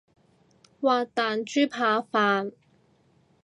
滑蛋豬扒飯